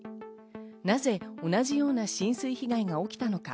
なぜ同じような浸水被害が起きたのか。